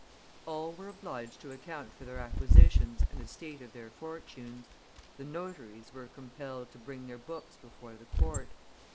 All were obliged to account for their acquisitions and the state of their fortunes; the notaries were compelled to bring their books before the court.